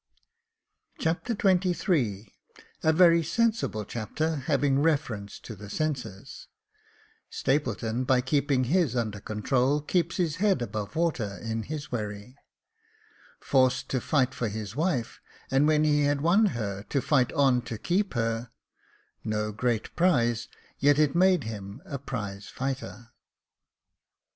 Chapter XXIIl A very sensible chapter, having reference to the senses— Stapleton, by keeping his under control, keeps his head above water in his wherry — Forced to fight for his wife, and when he had won her, to fight on to keep her — No great prize, yet it made him a prize fighter.